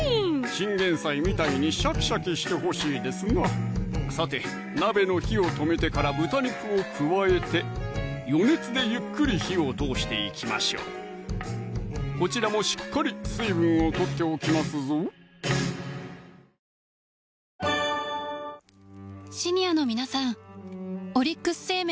チンゲン菜みたいにシャキシャキしてほしいですなさて鍋の火を止めてから豚肉を加えて余熱でゆっくり火を通していきましょうこちらもしっかり水分を取っておきますぞでは水分が取れましたらあとは盛りつけしていきます